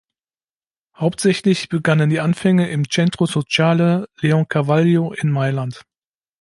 Hauptsächlich begannen die Anfänge im Centro Sociale Leoncavallo in Mailand.